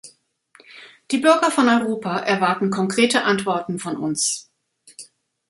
Die Bürger von Europa erwarten konkrete Antworten von uns.